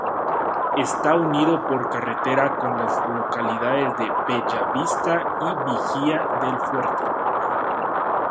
Está unido por carretera con las localidades de "Bellavista" y Vigía del Fuerte.